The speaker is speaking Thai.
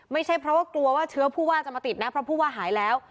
ไม่ใช่เพราะว่ากลัวว่าเชื้อผู้ว่าจะมาติดนะเพราะผู้ว่าหายแล้ว